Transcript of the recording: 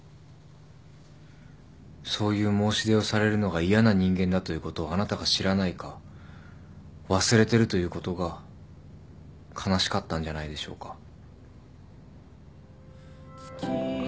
そういう申し出をされるのが嫌な人間だということをあなたが知らないか忘れてるということが悲しかったんじゃないでしょうか。